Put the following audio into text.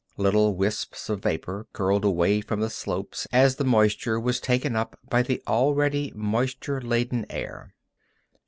Little wisps of vapor curled away from the slopes as the moisture was taken up by the already moisture laden air.